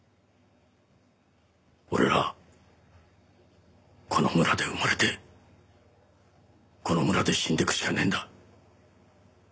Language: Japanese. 俺らはこの村で生まれてこの村で死んでいくしかねえんだ。